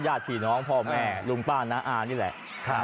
ญาติพี่น้องพ่อแม่ลุงป้าน้าอานี่แหละ